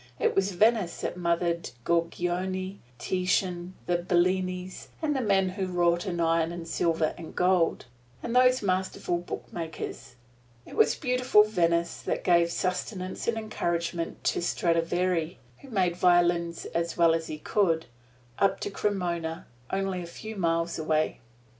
It was Venice that mothered Giorgione, Titian, the Bellinis, and the men who wrought in iron and silver and gold, and those masterful bookmakers; it was beautiful Venice that gave sustenance and encouragement to Stradivari (who made violins as well as he could) up at Cremona, only a few miles away.